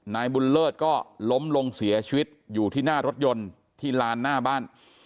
นายบุญเลิศก็ล้มลงเสียชีวิตอยู่ที่หน้ารถยนต์ที่ลานหน้าบ้าน